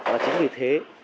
và chính vì thế